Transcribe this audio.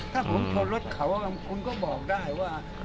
ถ้าผมชนรถเขามนุษย์จอยมูกก็บอกได้ว่า